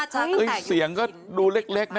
เฮ้ยเสียงก็ดูเล็กนะ